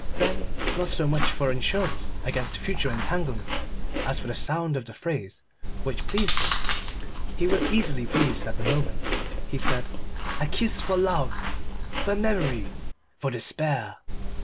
Then not so much for insurance against future entanglement as for the sound of the phrase, which pleased him he was easily pleased at the moment he said "A kiss for love for memory for despair!"